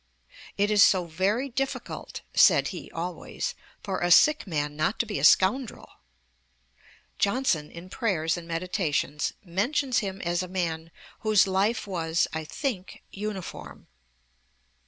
"It is so very difficult," said he always, "for a sick man not to be a scoundrel."' Johnson, in Prayers and Meditations, p. 102, mentions him as a man 'whose life was, I think, uniform.'